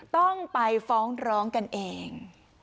ต้องไปฟ้องร้องกันเอง